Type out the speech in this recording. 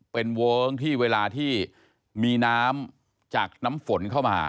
เป็นเวิ้งที่เวลาที่มีน้ำจากน้ำฝนเข้ามา